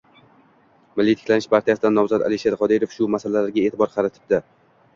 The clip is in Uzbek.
Milliy tiklanish partiyasidan nomzod Alisher Qodirov shu masalalarga e’tibor qaratibdi.